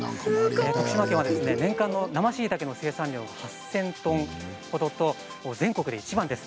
徳島県は年間の生しいたけの生産量は８０００トンほどと全国でいちばんです。